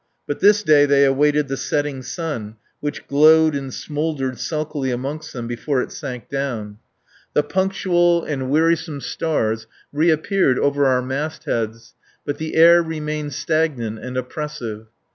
But this day they awaited the setting sun, which glowed and smouldered sulkily amongst them before it sank down. The punctual and wearisome stars reappeared over our mastheads, but the air remained stagnant and oppressive.